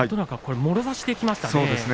もろ差しにいきましたね。